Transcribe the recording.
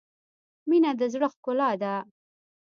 • مینه د زړۀ ښکلا ده.